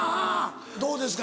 どうですか？